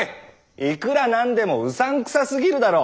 いくらなんでもうさんくさすぎるだろう。